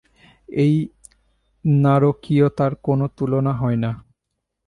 এই নারকীয়তার কোনো তুলনা হয় না।